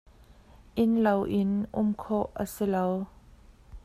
Innlo in um khawh a si ko.